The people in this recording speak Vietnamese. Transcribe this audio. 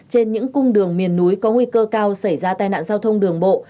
trên những cung đường miền núi có nguy cơ cao xảy ra tai nạn giao thông đường bộ